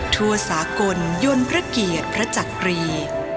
ทั่วสากลยนต์พระเกียรติพระจักรี